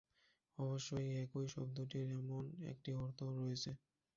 অবশ্যই, "একই" শব্দটির এমন একটি অর্থ রয়েছে।